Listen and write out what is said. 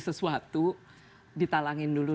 sesuatu ditalangin dulu